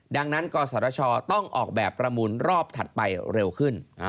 ดังนั้นกศชต้องออกแบบประมูลรอบถัดไปเร็วขึ้น